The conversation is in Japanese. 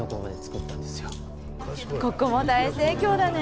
ここも大盛況だね。